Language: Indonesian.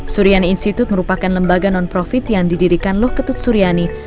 suriani institute merupakan lembaga non profit yang didirikan loh ketut suriani